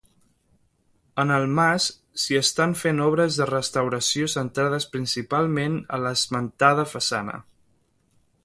En el mas s'hi estan fent obres de restauració centrades principalment a l'esmentada façana.